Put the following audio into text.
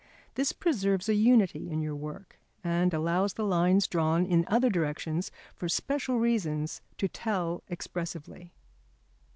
This preserves a unity in your work, and allows the lines drawn in other directions for special reasons to tell expressively.